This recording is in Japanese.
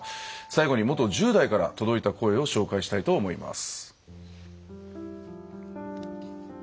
最後に元１０代から届いた声を紹介したいと思います。